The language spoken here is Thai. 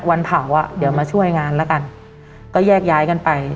วันเผาอ่ะเดี๋ยวมาช่วยงานแล้วกันก็แยกย้ายกันไป